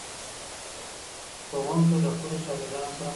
ښوونکی له خپلو شاګردانو سره مرسته کوي.